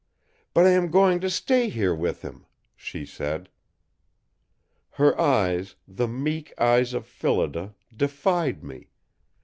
"But I am going to stay here with him," she said. Her eyes, the meek eyes of Phillida, defied me.